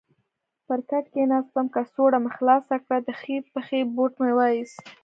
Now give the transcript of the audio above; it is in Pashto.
پر کټ کېناستم، کڅوړه مې خلاصه کړل، د ښۍ پښې بوټ مې وایست.